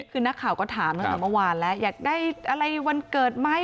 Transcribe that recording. คือนักข่าวก็ถามตั้งแต่เมื่อวานแล้วอยากได้อะไรวันเกิดไหม